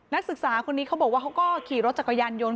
นักศึกษาคนนี้เขาบอกว่าเขาก็ขี่รถจักรยานยนต์